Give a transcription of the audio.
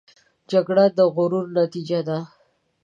جګړه د غرور نتیجه ده